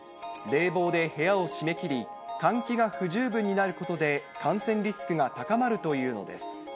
冷房で部屋を閉め切り、換気が不十分になることで、感染リスクが高まるというのです。